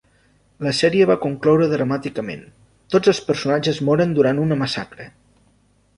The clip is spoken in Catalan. La sèrie va concloure dramàticament: tots els personatges moren durant una massacre.